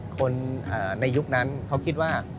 คนในยุคนั้นเขาคิดว่า